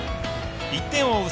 １点を追う